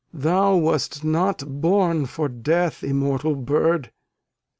Thou wast not born for death, immortal Bird!